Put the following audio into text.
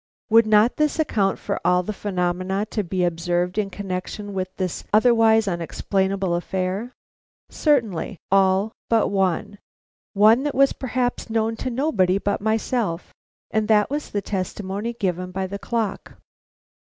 Would not this account for all the phenomena to be observed in connection with this otherwise unexplainable affair? Certainly, all but one one that was perhaps known to nobody but myself, and that was the testimony given by the clock.